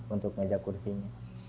untuk meja kursinya